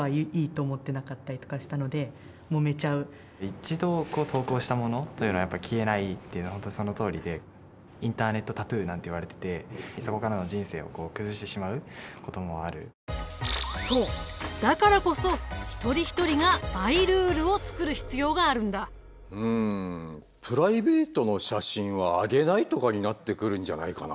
一度投稿したものというのはやっぱ消えないっていうのは本当そのとおりでインターネットタトゥーなんて言われててそこからのそうだからこそ一人一人がマイルールを作る必要があるんだ。とかになってくるんじゃないかな